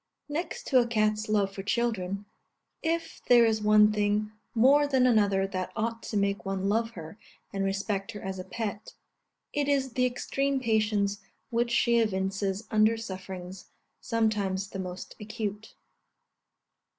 Next to a cat's love for children, if there is one thing more than another that ought to make one love her and respect her as a pet, it is the extreme patience which she evinces under sufferings, sometimes the most acute.